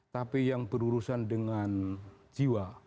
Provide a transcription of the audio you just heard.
tapi yang berurusan dengan jiwa